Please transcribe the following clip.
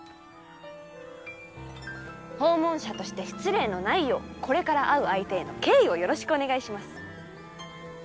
訪問者として失礼のないようこれから会う相手への敬意をよろしくお願いします。